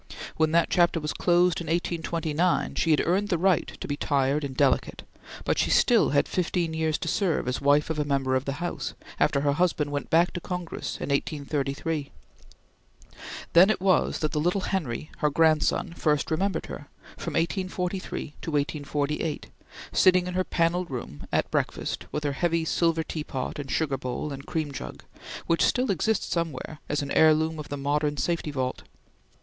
When that chapter was closed in 1829, she had earned the right to be tired and delicate, but she still had fifteen years to serve as wife of a Member of the House, after her husband went back to Congress in 1833. Then it was that the little Henry, her grandson, first remembered her, from 1843 to 1848, sitting in her panelled room, at breakfast, with her heavy silver teapot and sugar bowl and cream jug, which still exist somewhere as an heirloom of the modern safety vault.